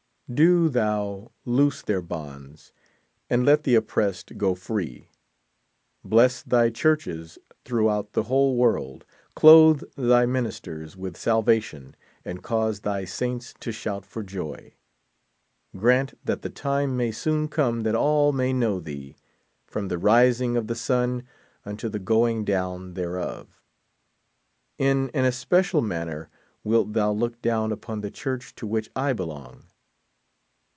Do thou loose their bonds, and let the oppressed go free. Bless thy churches throughout the whole world. Clothe thy ministers with salvation, and cause thy saints to shout for jo3^ Grant that the time may soon come that all may know thee, from the rising of the sun unto the going down thereof. In an especial manner wilt thou leok'down upon the church to which I belong.